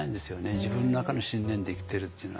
自分の中の信念で生きてるっていうのは。